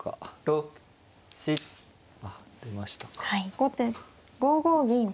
後手５五銀。